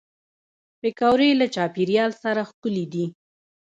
پکورې له چاپېریال سره ښکلي دي